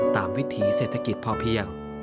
วิถีเศรษฐกิจพอเพียง